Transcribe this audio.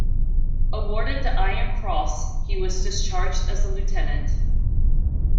Awarded the Iron Cross, he was discharged as a lieutenant.